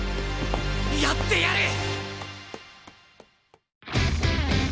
やってやる！